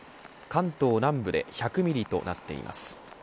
関東南部で１００ミリとなっています。